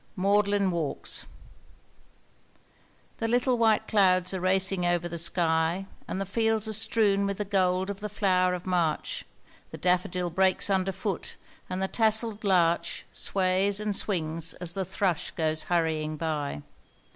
] THE little white clouds are racing over the sky, And the fields are strewn with the gold of the flower of March, The daffodil breaks under foot, and the tasselled larch Sways and swings as the thrush goes hurrying by.